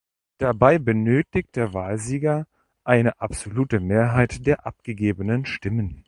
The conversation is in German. Dabei benötigt der Wahlsieger eine absolute Mehrheit der abgegebenen Stimmen.